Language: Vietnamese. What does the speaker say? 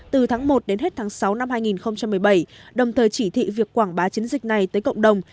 từ tháng một đến hết tháng sáu năm hai nghìn một mươi bảy đồng thời chỉ thị việc quảng bá chiến dịch này tới cộng đồng